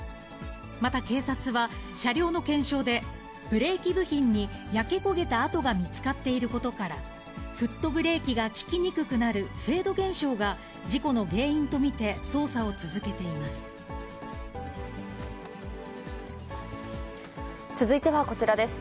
また警察は、車両の検証で、ブレーキ部品に焼け焦げた跡が見つかっていることから、フットブレーキが利きにくくなるフェード現象が事故の原因と見て続いてはこちらです。